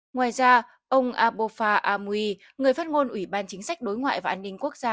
ngoài ra ông abofa amui người phát ngôn ủy ban chính sách đối ngoại và an ninh quốc gia